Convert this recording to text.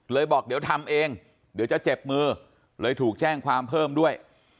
บอกเดี๋ยวทำเองเดี๋ยวจะเจ็บมือเลยถูกแจ้งความเพิ่มด้วย